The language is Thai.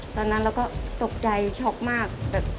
ตอนนั้นเราก็ตกใจช็อกมากแบบ